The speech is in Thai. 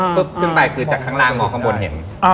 ขึ้นไปคือจากข้างล่างมองข้างบนเห็น